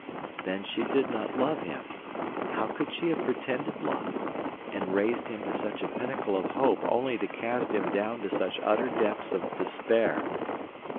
Then she did not love him! How could she have pretended love, and raised him to such a pinnacle of hope only to cast him down to such utter depths of despair!